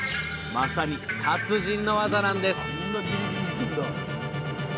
まさに達人の技なんです